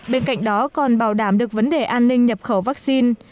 bên cạnh đó còn bảo đảm được vấn đề an ninh nhập khẩu vắc xin